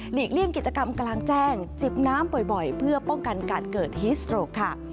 เลี่ยงกิจกรรมกลางแจ้งจิบน้ำบ่อยเพื่อป้องกันการเกิดฮิสโตรกค่ะ